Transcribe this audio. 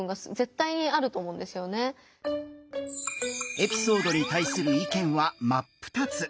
エピソードに対する意見は真っ二つ！